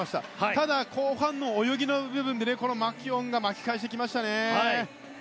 ただ、後半の泳ぎの部分でマキュオンが巻き返してきましたね。